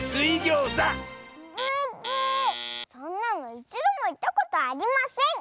そんなのいちどもいったことありません！